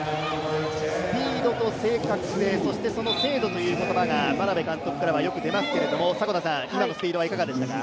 スピードと正確性、そしてその精度という言葉が眞鍋監督からはよく出ますけど、今のスピードどうでしたか？